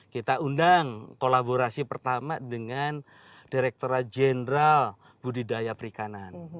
kita undang kolaborasi pertama dengan direkturat jenderal budidaya perikanan